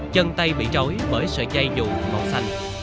cây bị trói bởi sợi dây dụ màu xanh